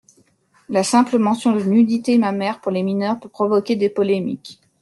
La simple mention de nudité mammaire pour les mineures peut provoquer des polémiques.